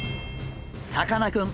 さかなクン